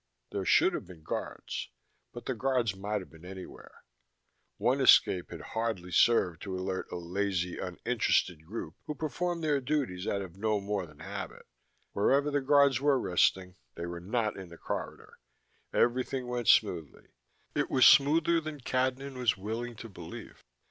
There should have been guards, but the guards might have been anywhere: one escape had hardly served to alert a lazy, uninterested group who performed their duties out of no more than habit. Wherever the guards were resting, they were not in the corridor: everything went smoothly. It was smoother than Cadnan was willing to believe.